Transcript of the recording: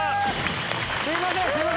すいません！